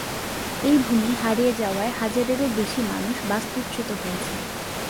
এই ভূমি হারিয়ে যাওয়ায় হাজারেরও বেশি মানুষ বাস্তুচ্যুত তৈরি হয়েছে।